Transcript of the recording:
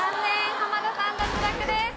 濱田さん脱落です。